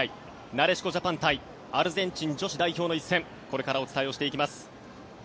なでしこジャパン対アルゼンチン女子代表の一戦これからお伝えをしていきます。